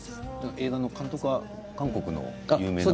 映画の監督は韓国の有名な。